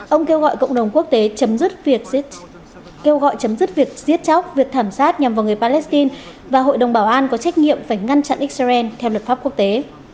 ông kêu gọi cộng đồng quốc tế chấm dứt việc giết chóc việc thảm sát nhằm vào người palestine và hội đồng bảo an có trách nhiệm phải ngăn chặn israel theo luật pháp quốc tế